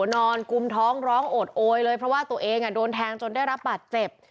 กุมท้องร้องโอดโอยเลยเพราะว่าตัวเองโดนแทงจนได้รับบาดเจ็บ